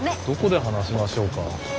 どこで話しましょうか？